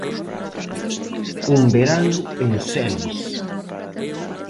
Un verán en Cellis.